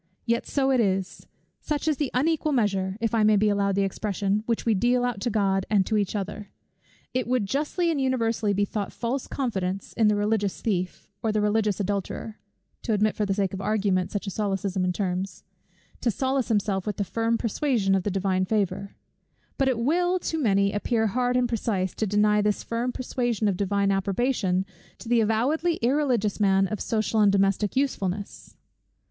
Yet so it is; such is the unequal measure, if I may be allowed the expression, which we deal out to God, and to each other. It would justly and universally be thought false confidence in the religious thief or the religious adulterer, (to admit for the sake of argument such a solecism in terms) to solace himself with the firm persuasion of the Divine favour: but it will, to many, appear hard and precise, to deny this firm persuasion of Divine approbation to the avowedly irreligious man of social and domestic usefulness.